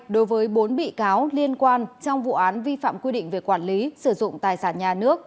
đối với bốn bị cáo liên quan trong vụ án vi phạm quy định về quản lý sử dụng tài sản nhà nước